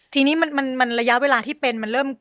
ทีนี้มันระยะเวลาที่เป็นมันเริ่ม